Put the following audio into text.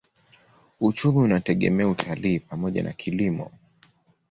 Uchumi unategemea utalii pamoja na kilimo.